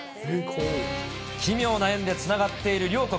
奇妙な縁でつながっている両国。